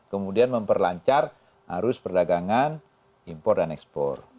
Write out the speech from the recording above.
kemudian memperlancar arus perdagangan impor dan ekspor